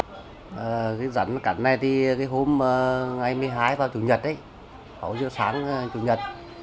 cái rắn cắn này thì hôm ngày một mươi hai vào chủ nhật ấy hồi trước sáng chủ nhật